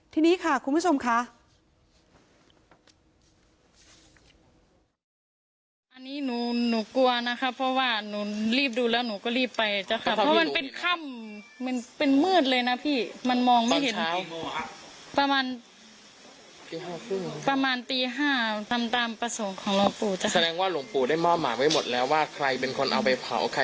ทีนี้ค่ะคุณผู้ชมค่ะ